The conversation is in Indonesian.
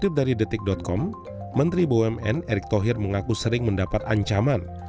pertama erick thohir mengaku sering mendapat ancaman